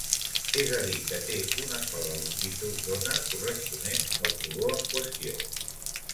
És a dir, que té una sola longitud d'ona, corresponent al color en qüestió.